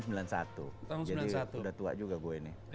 jadi udah tua juga gue nih